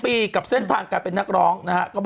๒๒ปีกลับเส้นฐานกลับเป็อนักร้อง